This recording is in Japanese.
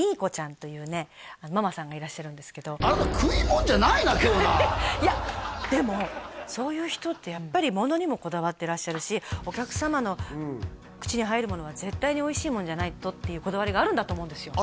大将じゃなくてママさんいやでもそういう人ってやっぱり物にもこだわってらっしゃるしお客様の口に入るものは絶対においしいものじゃないとっていうこだわりがあるんだと思うんですよ